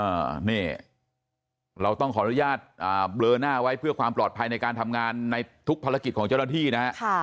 อ่านี่เราต้องขออนุญาตอ่าเบลอหน้าไว้เพื่อความปลอดภัยในการทำงานในทุกภารกิจของเจ้าหน้าที่นะฮะค่ะ